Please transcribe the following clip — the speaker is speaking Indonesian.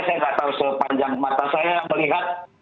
saya nggak tahu sepanjang mata saya melihat